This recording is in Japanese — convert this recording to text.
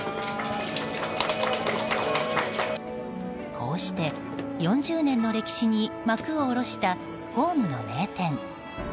こうして４０年の歴史に幕を下ろしたホームの名店。